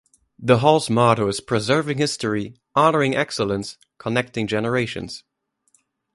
The Hall's motto is Preserving History, Honoring Excellence, Connecting Generations.